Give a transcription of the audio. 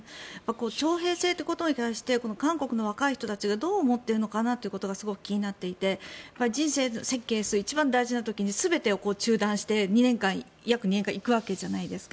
徴兵制ということに対して韓国の若い人たちがどう思っているのかがすごく気になっていて人生設計する一番大事な時に全てを中断して、約２年間行くわけじゃないですか。